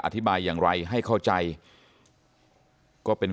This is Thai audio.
ท่านผู้ชมครับ